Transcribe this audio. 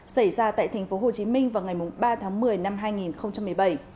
xảy ra tại tp hcm vào ngày ba tháng một mươi năm hai nghìn một mươi bảy